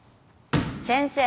先生。